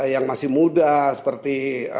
yang masih muda seperti